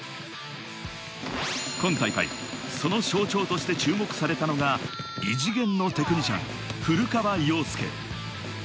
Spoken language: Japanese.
今大会、その象徴として注目されたのが異次元のテクニシャン・古川陽介。